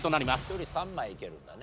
１人３枚いけるんだね